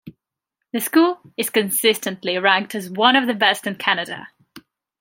The school is consistently ranked as one of the best in Canada.